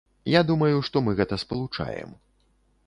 Я думаю, што мы гэта спалучаем.